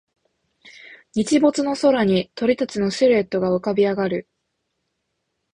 日没の空に鳥たちのシルエットが浮かび上がる